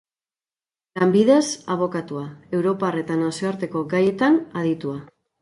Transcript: Lanbidez, abokatua, europar eta nazioarteko gaietan aditua.